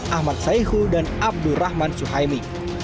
ahmad saihu dan abdurrahman suhaimi